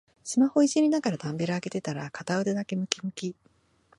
スマホいじりながらダンベル上げてたら片腕だけムキムキ